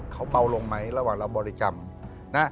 เขาเบาลงไหมระหว่างเราบริกรรมนะ